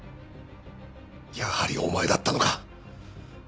やはりお前だったのか！